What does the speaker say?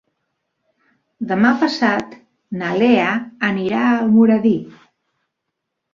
Demà passat na Lea anirà a Almoradí.